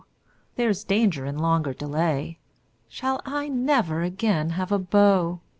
There's danger in longer delay! Shall I never again have a beau?